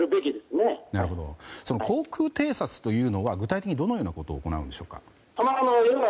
航空偵察というのは具体的にどのようなことを行うんでしょうか？